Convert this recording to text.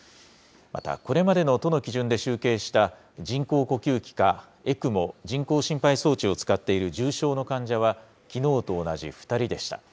またこれまでの都の基準で集計した人工呼吸器かＥＣＭＯ・人工心肺装置を使っている重症の患者は、きのうと同じ２人でした。